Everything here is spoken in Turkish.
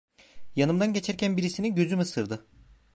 Yanımdan geçerken birisini gözüm ısırdı.